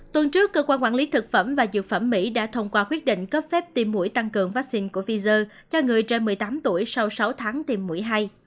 tuần trước cơ quan quản lý thực phẩm và dược phẩm mỹ đã thông qua quyết định cấp phép tiêm mũi tăng cường vaccine của pfizer cho người trên một mươi tám tuổi sau sáu tháng tiêm mũi hai